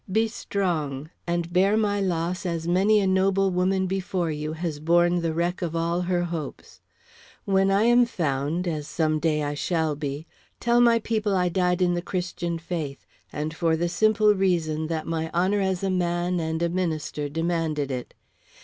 Be strong, and bear my loss as many a noble woman before you has borne the wreck of all her hopes. When I am found as some day I shall be tell my people I died in the Christian faith, and for the simple reason that my honor as a man and a minister demanded it.